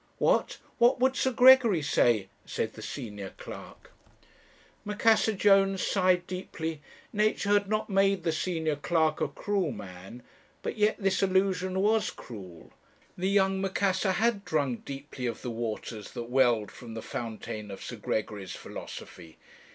"'What what would Sir Gregory say?' said the senior clerk. "Macassar Jones sighed deeply. Nature had not made the senior clerk a cruel man; but yet this allusion was cruel. The young Macassar had drunk deeply of the waters that welled from the fountain of Sir Gregory's philosophy.